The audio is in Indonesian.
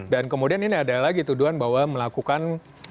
dan kemudian ini ada lagi tuduhan bahwa melakukan